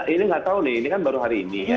ini nggak tahu nih ini kan baru hari ini ya